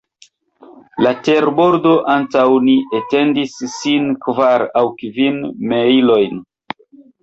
La terbordo antaŭ ni etendis sin kvar aŭ kvin mejlojn.